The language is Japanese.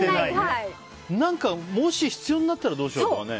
何か、もし必要になったらどうしようとかね。